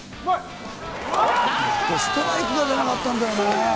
ストライクが出なかったんだよね。